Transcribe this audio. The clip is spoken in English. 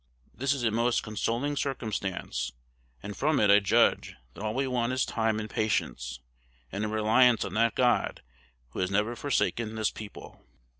This is a most consoling circumstance, and from it I judge that all we want is time and patience, and a reliance on that God who has never forsaken this people_."